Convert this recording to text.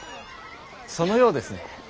そのようですね。